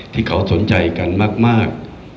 ที่เขาสนใจกันมาก